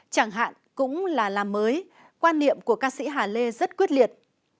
chẳng hạn cũng là làm mới quan niệm của ca sĩ hà lê rất quyết liệt